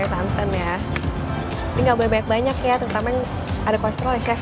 ini nggak boleh banyak banyak ya terutama yang ada kolesterol ya chef